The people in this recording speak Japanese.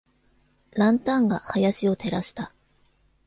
ランタンが林を照らした。